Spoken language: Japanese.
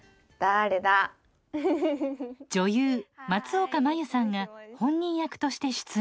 女優・松岡茉優さんが本人役として出演。